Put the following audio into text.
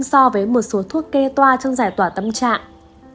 so với một số thuốc kê toa trong giải tỏa tâm trạng